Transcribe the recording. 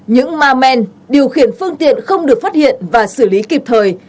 những ma men điều khiển phương tiện không được phát hiện và xử lý kịp thời